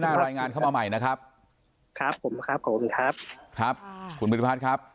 หน้ารายงานเข้ามาใหม่นะครับครับ